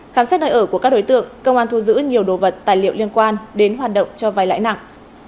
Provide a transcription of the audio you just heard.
khám xét nơi ở của các đối tượng công an thu giữ nhiều đồ vật tài liệu liên quan đến hoạt động cho vai lãi nặng